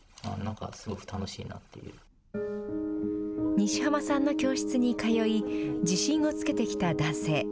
西濱さんの教室に通い、自信をつけてきた男性。